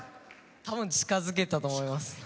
多分、近づけたと思います。